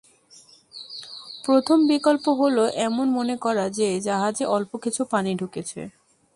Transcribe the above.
প্রথম বিকল্প হলো এমন মনে করা যে, জাহাজে অল্প কিছু পানি ঢুকেছে।